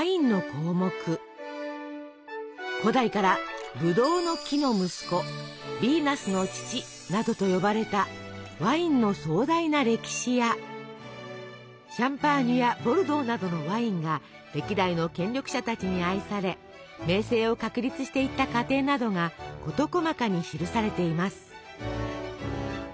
古代から「ぶどうの木の息子」「ヴィーナスの乳」などと呼ばれたワインの壮大な歴史やシャンパーニュやボルドーなどのワインが歴代の権力者たちに愛され名声を確立していった過程などが事細かに記されています。